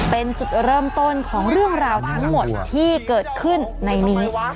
เป็นจุดเริ่มต้นของเรื่องราวทั้งหมดที่เกิดขึ้นในนี้